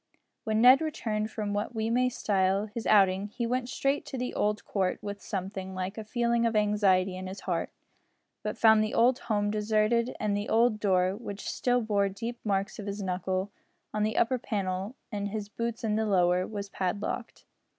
When Ned returned from what we may style his outing, he went straight to the old court with something like a feeling of anxiety in his heart, but found the old home deserted and the old door, which still bore deep marks of his knuckle, on the upper panels and his boots on the lower, was padlocked.